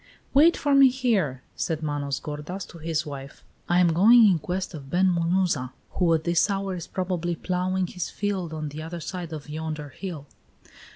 "Wait for me here," said Manos gordas to his wife. "I am going in quest of Ben Munuza, who at this hour is probably ploughing his fields on the other side of yonder hill."